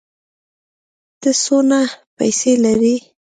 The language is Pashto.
ته څونه پېسې لرې؟